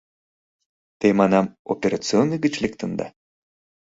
— Те, манам, операционный гыч лектында?